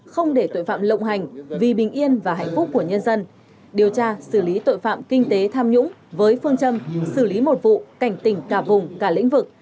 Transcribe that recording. không để tội phạm lộng hành vì bình yên và hạnh phúc của nhân dân điều tra xử lý tội phạm kinh tế tham nhũng với phương châm xử lý một vụ cảnh tỉnh cả vùng cả lĩnh vực